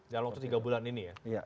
dalam waktu tiga bulan ini ya